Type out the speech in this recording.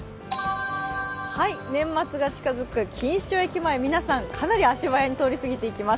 年末が近づく錦糸町駅前、皆さんかなり足早に通りすぎていきます。